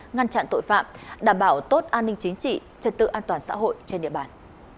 ngăn chặn tội phạm đảm bảo tốt an ninh chính trị trật tự an toàn xã hội trên địa bàn